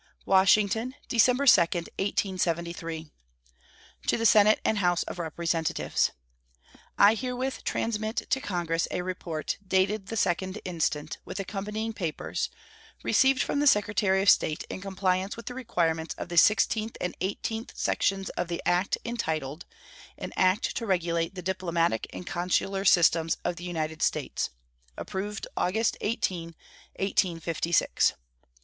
WASHINGTON, December 2, 1873. To the Senate and House of Representatives: I herewith transmit to Congress a report, dated the 2d instant, with accompanying papers, received from the Secretary of State, in compliance with the requirements of the sixteenth and eighteenth sections of the act entitled "An act to regulate the diplomatic and consular systems of the United States," approved August 18, 1856. U.S. GRANT. [Footnote 76: Report of fees collected, etc.